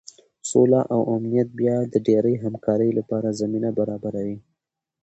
سوله او امنیت بیا د ډیرې همکارۍ لپاره زمینه برابروي.